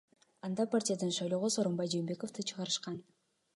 Анда партиядан шайлоого Сооронбай Жээнбековду чыгарышкан.